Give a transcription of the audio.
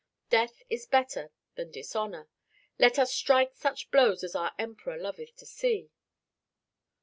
Death is better than dishonor. Let us strike such blows as our Emperor loveth to see."